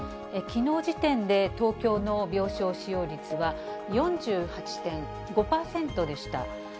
きのう時点で東京の病床使用率は４８．５％でした。